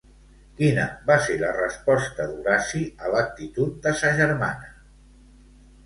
Quina va ser la resposta d'Horaci a l'actitud de sa germana?